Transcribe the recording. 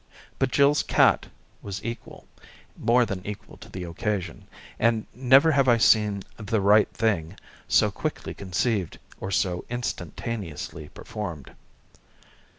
But Jill's cat was equal, more than equal to the occa sion, and never have I seen "the right thing" so quickly conceived, or so instantaneously performed.